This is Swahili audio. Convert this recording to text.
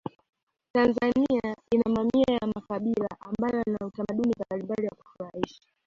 tanzania ina mamia ya makabila ambayo Yana utamaduni mbalimbali wa kufurahisha